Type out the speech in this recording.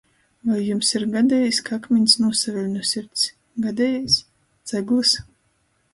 Voi jums ir gadejīs, ka akmiņs nūsaveļ nu sirds? Gadejīs? ceglys?